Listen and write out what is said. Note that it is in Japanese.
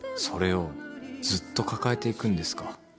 「それをずっと抱えていくんですか？」